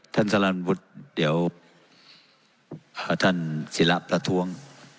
ท่านสรรพุทธเดี๋ยวท่านสิระประท้วง